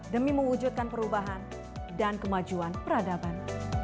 demi mewujudkan perubahan dan kemajuan peradaban